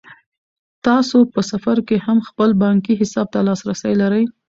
تاسو په سفر کې هم خپل بانکي حساب ته لاسرسی لرئ.